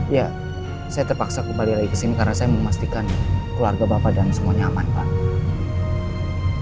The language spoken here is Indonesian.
ya saya terpaksa kembali lagi ke sini karena saya memastikan keluarga bapak dan semuanya aman pak